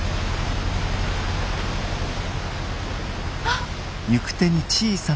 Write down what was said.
あっ！